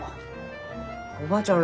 おばあちゃん